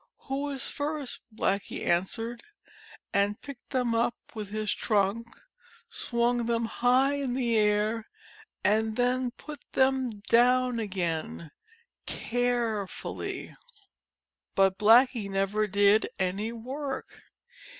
Who is first?" Blackie answered and picked them up with his trunk, swung them high in the air, and then put them down again, carefully. But Blackie never did any work.